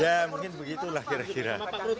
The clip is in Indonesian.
ya mungkin begitulah kira kira